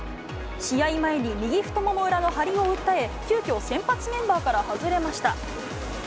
試合前に右太もも裏の張りを訴え、急きょ、先発メンバーから外れました。